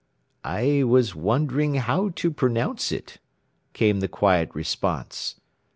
"I was wondering how to pronounce it," came the quiet response.